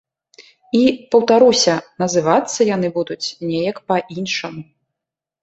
І, паўтаруся, называцца яны будуць неяк па-іншаму.